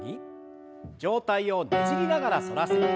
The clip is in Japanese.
上体をねじりながら反らせて。